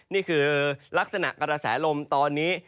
นี่คือลักษณะกระแสลมตอนนี้